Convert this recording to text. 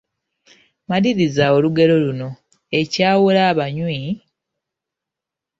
Maliriza olugero luno: Ekyawula abanywi, …